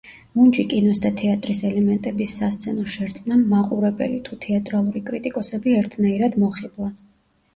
მუნჯი კინოს და თეატრის ელემენტების სასცენო შერწყმამ მაყურებელი, თუ თეატრალური კრიტიკოსები ერთნაირად მოხიბლა.